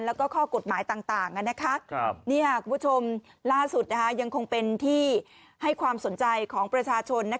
แล้วก็ข้อกฎหมายต่างคุณผู้ชมล่าสุดยังคงเป็นที่ให้ความสนใจของประชาชน